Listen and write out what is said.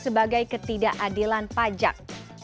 sebagai ketidakadilan pajak